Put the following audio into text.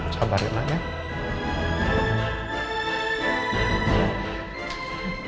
sabar ya mbak